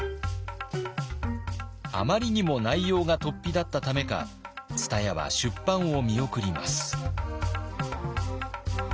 あまりにも内容がとっぴだったためか蔦屋は出版を見送ります。